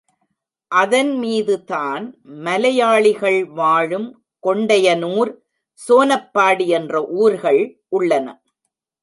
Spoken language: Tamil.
அதன்மீது தான் மலையாளிகள் வாழும் கொண்டையனூர், சோனப்பாடி என்ற ஊர்கள் உள்ளன.